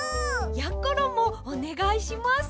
やころもおねがいします。